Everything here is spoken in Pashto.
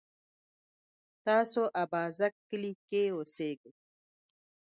تاسو اببازک کلي کی اوسیږئ؟